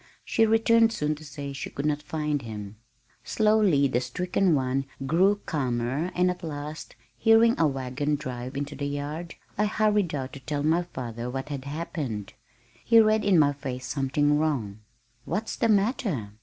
She returned soon to say she could not find him. Slowly the stricken one grew calmer and at last, hearing a wagon drive into the yard, I hurried out to tell my father what had happened. He read in my face something wrong. "What's the matter?"